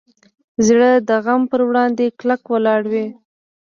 زړه د غم پر وړاندې کلک ولاړ وي.